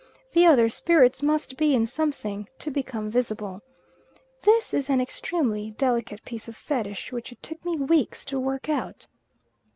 The other spirits must be in something to become visible. This is an extremely delicate piece of Fetish which it took me weeks to work out.